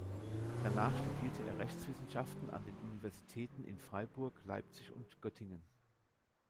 Danach studierte er Rechtswissenschaften an den Universitäten in Freiburg, Leipzig und Göttingen.